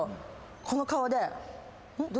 この顔で。